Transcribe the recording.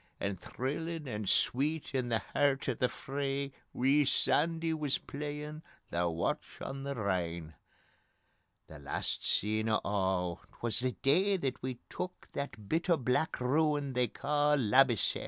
And thrillin' and sweet in the hert o' the fray Wee Sandy wis playin' 'The Watch on the Rhine'. ..... The last scene o' a' 'twas the day that we took That bit o' black ruin they ca' Labbiesell.